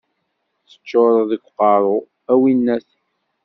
Teččureḍ deg uqerru, a winnat!